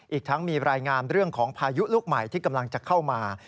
อีกทั้งมีรายงานเรื่องของพายุลูกใหม่ที่กำลังจะเข้ามา